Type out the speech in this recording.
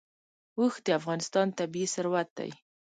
اوښ د افغانستان طبعي ثروت دی.